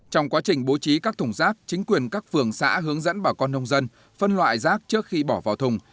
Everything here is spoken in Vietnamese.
trong quá trình bố trí các thùng rác chính quyền các phường xã hướng dẫn bà con nông dân phân loại rác trước khi bỏ vào thùng